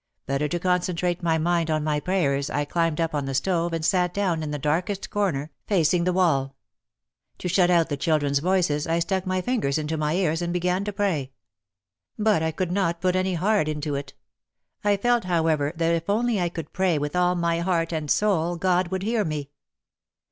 Better to concentrate my mind on my prayers I climbed up on the stove and sat down in the darkest corner, fac ing the wall. To shut out the children's voices I stuck my fingers into my ears and began to pray. But I could not put any heart into it. I felt, however, that if I only could pray with all my heart and soul, God would hear me.